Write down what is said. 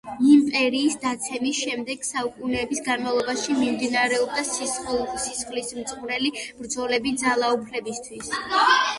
იმპერიის დაცემის შემდეგ, საუკუნეების განმავლობაში მიმდინარეობდა სისხლისმღვრელი ბრძოლები ძალაუფლებისათვის.